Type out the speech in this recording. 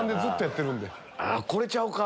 これちゃうか？